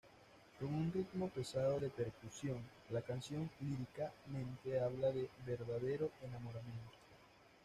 Con un ritmo pesado de percusión, la canción líricamente habla de verdadero enamoramiento.